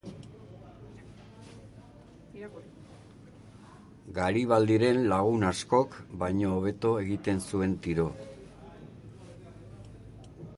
Garibaldiren lagun askok baino hobeto egiten zuen tiro.